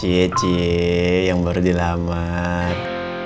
ciecieee yang baru dilamat